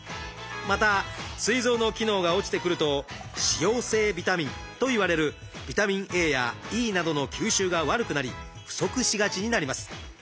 またすい臓の機能が落ちてくると脂溶性ビタミンといわれるビタミンＡやＥなどの吸収が悪くなり不足しがちになります。